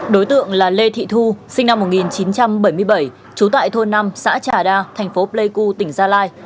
đối tượng là lê thị thu sinh năm một nghìn chín trăm bảy mươi bảy trú tại thôn năm xã trà đa thành phố pleiku tỉnh gia lai